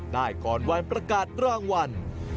ได้ก่อนวันประกาศรางวัล